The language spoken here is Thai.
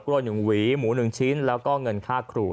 ปล้วยหนึ่งหวีหมูหนึ่งชิ้นแล้วก็เงินค่าครู